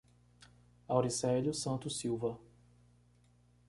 Auricelio Santos Silva